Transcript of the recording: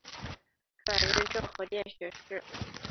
转任政和殿学士。